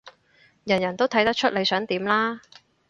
人人都睇得出你想點啦